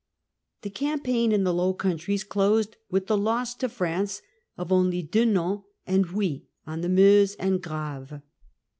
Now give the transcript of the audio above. The campaign in the Low Countries closed with the loss to France of only Dinant and Huy on the Meuse, and Grave.